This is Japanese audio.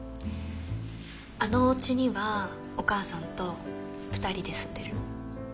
あのおうちにはお母さんと２人で住んでる？